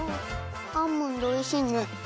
アーモンドおいしいね。